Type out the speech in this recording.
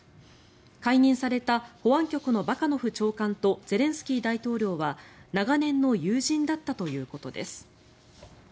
解任された保安局のバカノフ長官とゼレンスキー大統領は長年の友人だったということです。